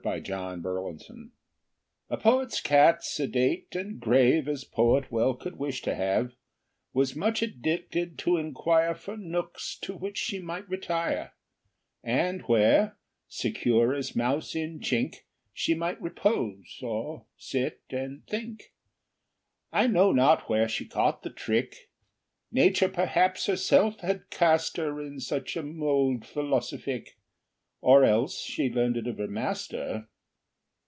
_ THE RETIRED CAT A Poet's Cat, sedate and grave As poet well could wish to have, Was much addicted to inquire For nooks to which she might retire, And where, secure as mouse in chink, She might repose, or sit and think. I know not where she caught the trick; Nature perhaps herself had cast her In such a mold |philosophique|, Or else she learned it of her master.